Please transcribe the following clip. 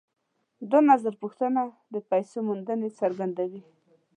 دا نظرپوښتنه د پیسو موندنې څرګندوي